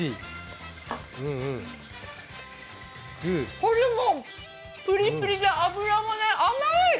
ホルモン、プリプリで脂も甘い。